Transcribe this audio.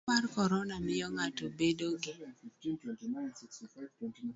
Tuo mar corona miyo ng'ato bedo gi